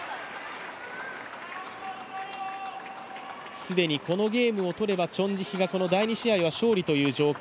既にこのゲームを取ればチョン・ジヒが第２試合は勝利という状況。